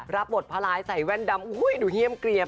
รับบทพระลายใส่แว่นดำดูเยี่ยมเกลียม